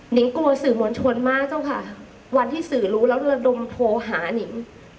หนึ่งกลัวสื่อมนต์ชวนมากเจ้าค่ะวันที่สื่อรู้แล้วดมโทรหาหนึ่ง